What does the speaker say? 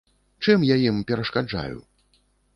Чым я ім перашкаджаю?